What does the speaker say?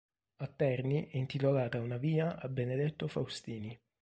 A Terni è intitolata una via a Benedetto Faustini.